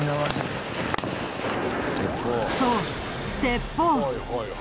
そう鉄砲。